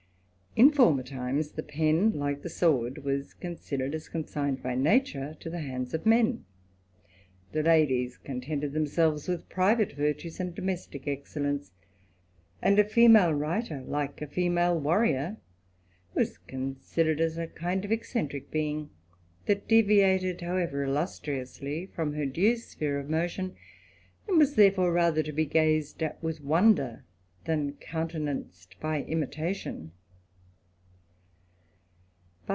In former times, the pen, like the sword, was considered as consigned by nature to the hands of men ! the ladi^ contented themselves with private virtues and domesticl excellence ; and a female writer, like a female warriour, ira: considered as a kind of eccentric being, that deviated, hovs ever illustriously, from her due sphere of motion, and was therefore, rather to be gazed at with wonder, than counteu anced by imitation.